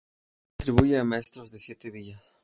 Se atribuye a maestros de Siete Villas.